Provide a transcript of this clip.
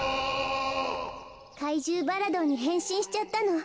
かいじゅうバラドンにへんしんしちゃったの。